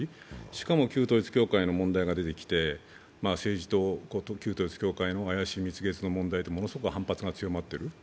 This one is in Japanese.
しかも旧統一教会の問題が出てきて、政治と旧統一教会との怪しい蜜月の問題でものすごく反発が強まっている。